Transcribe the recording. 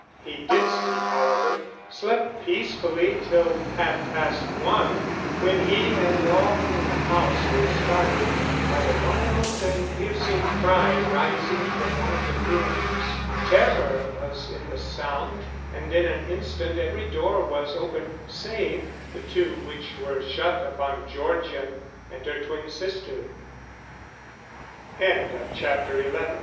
He did sleep, however, slept peacefully till half past one, when he and all in the house were startled by a wild and piercing cry rising from one of the rooms. Terror was in the sound and in an instant every door was open save the two which were shut upon Georgian and her twin sister. CHAPTER XII "GEORGIAN!"